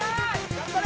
頑張れ！